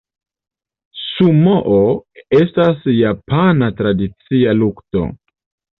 Sumoo estas japana tradicia lukto.